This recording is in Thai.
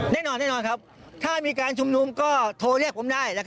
แน่นอนแน่นอนครับถ้ามีการชุมนุมก็โทรเรียกผมได้